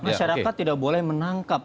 masyarakat tidak boleh menangkap